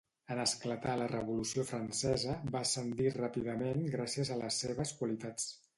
En esclatar la Revolució Francesa, va ascendir ràpidament gràcies a les seves qualitats.